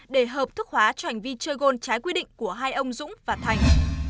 để hợp thức hóa cho hành vi chơi gôn trái quy định của hai ông dũng và thành